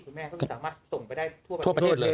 คุณแม่ก็สามารถส่งไปได้ทั่วประเทศเลย